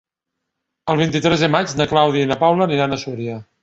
El vint-i-tres de maig na Clàudia i na Paula aniran a Súria.